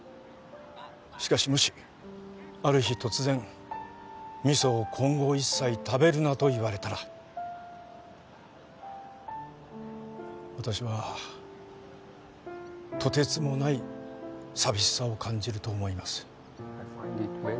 しかしもしある日突然味噌を今後一切食べるなと言われたら私はとてつもない寂しさを感じると思います